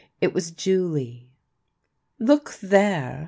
It was Julie. " Look there